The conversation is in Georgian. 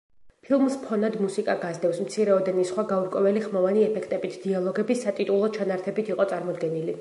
ფილმს ფონად მუსიკა გასდევს, მცირეოდენი სხვა გაურკვეველი ხმოვანი ეფექტებით; დიალოგები სატიტულო ჩანართებით იყო წარმოდგენილი.